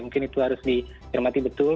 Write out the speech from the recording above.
mungkin itu harus dicermati betul